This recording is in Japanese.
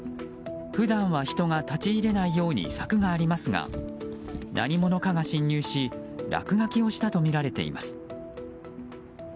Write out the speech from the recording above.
普段は人が立ち入れないように柵がありますが何者かが侵入し落書きをしたとみられています。